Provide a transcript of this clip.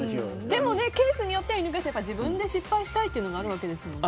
でもケースによっては犬飼さん自分で失敗したいというのがありますね。